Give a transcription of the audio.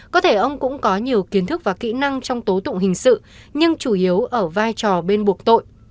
có thể ông cũng có nhiều kiến thức và kỹ năng trong tố tụng hình sự nhưng chủ yếu ở vai trò bên buộc tội